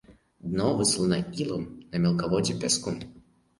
Дно выслана ілам, на мелкаводдзі пяском.